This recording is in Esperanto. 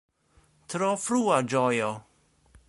Tro frua ĝojo!